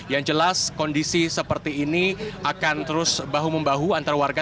yang jelas kondisi seperti ini akan terus bahu membahu antar warga